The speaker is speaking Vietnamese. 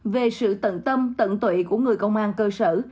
về sự tận tâm tận tụy của người công an cơ sở